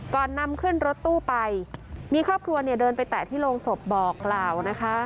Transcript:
ก่อนนำขึ้นรถตู้ไปมีครอบครัวเนี่ยเดินไปแตะที่โรงศพบอกกล่าวนะคะ